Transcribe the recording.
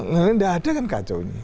nelayan tidak ada kan kacau ini